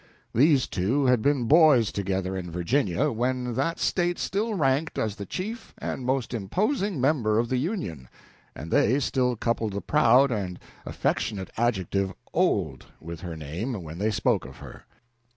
These two had been boys together in Virginia when that State still ranked as the chief and most imposing member of the Union, and they still coupled the proud and affectionate adjective "old" with her name when they spoke of her.